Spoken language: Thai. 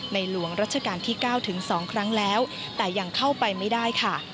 หลวงรัชกาลที่๙ถึง๒ครั้งแล้วแต่ยังเข้าไปไม่ได้ค่ะ